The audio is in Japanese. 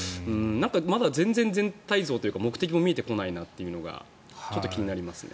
まだ全然、全体像というか目的が見えてこないのがちょっと気になりますね。